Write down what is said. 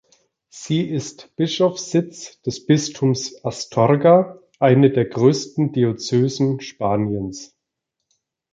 Sie ist Bischofssitz des Bistums Astorga, eine der größten Diözesen Spaniens.